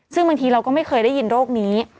ซึ่งบางทีเราก็ไม่เคยได้ยินโรคนี้